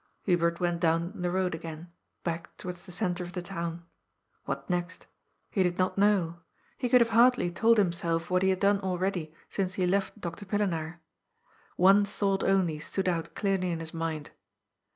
Hubert went down the road again, back towards the centre of the town. What next ? He did not know. He could have hardly told himself what he had done already since he left Dr. Pillenaar. One thought only stood out clearly in his mind.